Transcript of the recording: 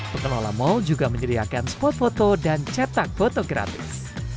pengelola mal juga menyediakan spot foto dan cetak foto gratis